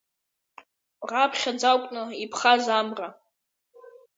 Раԥхьаӡакәны иԥхаз амра.